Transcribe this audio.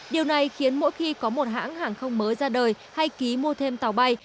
điều này khiến mỗi khi có một hãng hàng không mới ra đời hay ký mua thêm tàu bay